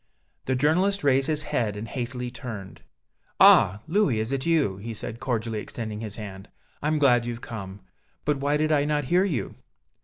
The journalist raised his head and hastily turned. "Ah! Louis, is it you?" he said, cordially extending his hand; "I'm glad you've come. But why did I not hear you?"